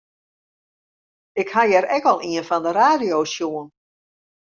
Ik ha hjir ek al ien fan de radio sjoen.